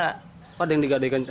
apa yang digadaikan